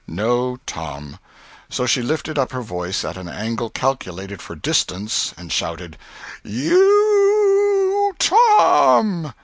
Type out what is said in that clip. No Tom. So she lifted up her voice at an angle calculated for distance and shouted: "Y o u u TOM!"